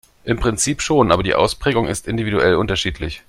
Im Prinzip schon, aber die Ausprägung ist individuell unterschiedlich.